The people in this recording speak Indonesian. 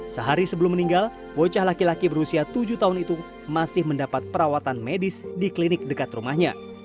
sehari sebelum meninggal bocah laki laki berusia tujuh tahun itu masih mendapat perawatan medis di klinik dekat rumahnya